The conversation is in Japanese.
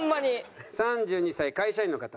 ３２歳会社員の方。